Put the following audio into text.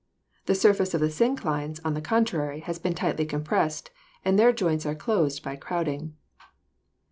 The surface of the synclines, on the contrary, has been tightly compressed, and their joints are closed by crowding.